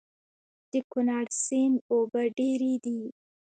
د کونړ سيند اوبه ډېرې دي